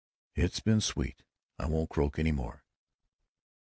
"It has been sweet. I won't croak any more."